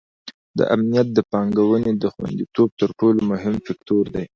امنیت د پانګونې د خونديتوب تر ټولو مهم فکتور دی.